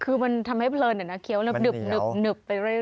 คือมันทำให้เพลินเคี้ยวหนึบไปเรื่อย